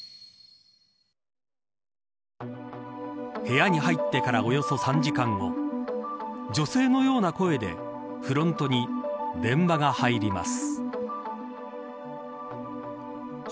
部屋に入ってからおよそ３時間後女性のような声でフロントに電話が入ります。